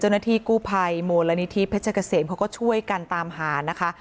เจ้าหน้าที่กู้ภัยมูลนิธิเพชรเกษมเขาก็ช่วยกันตามหานะคะ